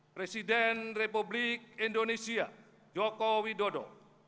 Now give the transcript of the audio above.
presiden republik indonesia joko widodo